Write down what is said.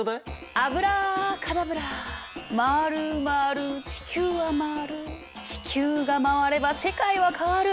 アブラカダブラ回る回る地球は回る地球が回れば世界は変わる。